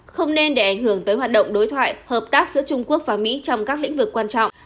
không nên để ảnh hưởng tới hoạt động đối thoại hợp tác giữa trung quốc và mỹ trong các lĩnh vực quan trọng